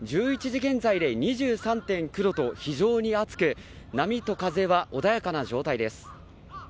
１１時現在で２３．９度と非常に暑く波と風は穏やかな状態です。